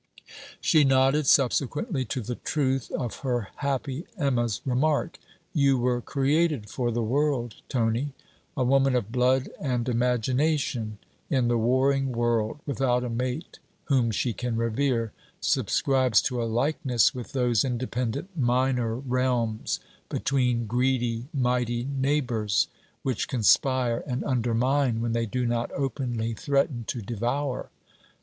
She nodded subsequently to the truth of her happy Emma's remark: 'You were created for the world, Tony.' A woman of blood and imagination in the warring world, without a mate whom she can revere, subscribes to a likeness with those independent minor realms between greedy mighty neighbours, which conspire and undermine when they do not openly threaten to devour.